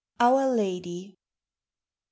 OUR LADY. I.